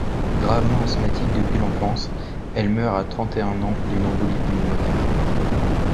Gravement asthmatique depuis l'enfance, elle meurt à trente et un ans d'une embolie pulmonaire.